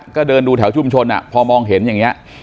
ก็เดินดูแถวชุมชนพอมองเห็นอย่างนี้